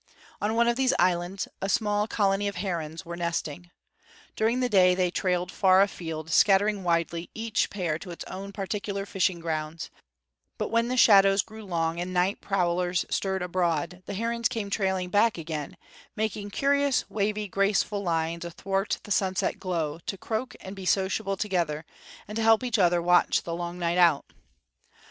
On one of these islands a small colony of herons were nesting. During the day they trailed far afield, scattering widely, each pair to its own particular fishing grounds; but when the shadows grew long, and night prowlers stirred abroad, the herons came trailing back again, making curious, wavy, graceful lines athwart the sunset glow, to croak and be sociable together, and help each other watch the long night out.